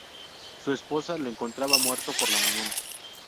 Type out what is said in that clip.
Su esposa lo encontraba muerto por la mañana.